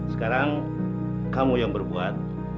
sekarang kamu yang berbuat